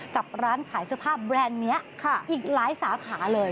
กับร้านขายเสื้อผ้าแบรนด์นี้อีกหลายสาขาเลย